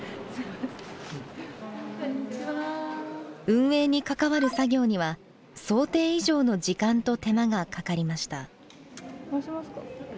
運営に関わる作業には想定以上の時間と手間がかかりました。